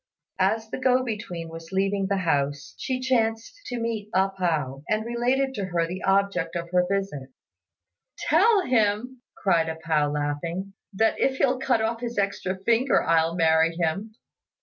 As the go between was leaving the house, she chanced to meet A pao, and related to her the object of her visit. "Tell him," cried A pao, laughing, "that if he'll cut off his extra finger, I'll marry him."